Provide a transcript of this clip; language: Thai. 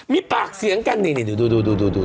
มีปากเสียงกันนี่ดู